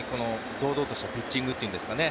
堂々したピッチングというんですかね。